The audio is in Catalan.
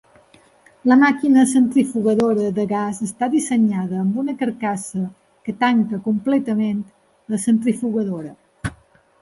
La màquina centrifugadora de gas està dissenyada amb una carcassa que tanca completament la centrifugadora.